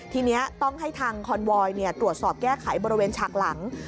ทีนี้ต้องให้ทางคอนวอยตรวจสอบแก้ไขบริเวณฉากหลัง